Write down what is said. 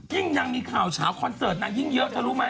ยิ่งนางมีข่าวเฉาคอนเสิร์ตนางยิ่งเยอะเธอรู้ไหม